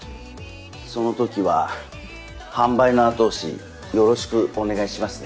その時は販売の後押しよろしくお願いしますね。